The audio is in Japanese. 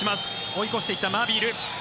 追い越していったマビル。